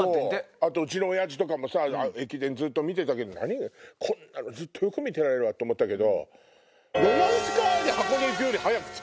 あとうちの親父とかも駅伝ずっと見てたけどこんなのずっとよく見てられるわと思ったけど。